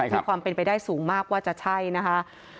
มีความเป็นไปได้สูงมากว่าจะใช่นะคะ